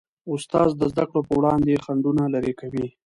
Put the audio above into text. استاد د زدهکړو په وړاندې خنډونه لیرې کوي.